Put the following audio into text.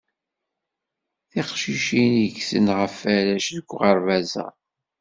Tiqcicin i iggten ɣef arrac deg uɣerbaz-a.